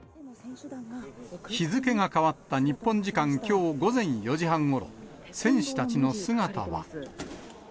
日付が変わった日本時間きょう午前４時半ごろ、選手たちの姿は。